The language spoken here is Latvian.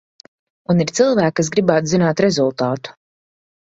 Un ir cilvēki, kas gribētu zināt rezultātu.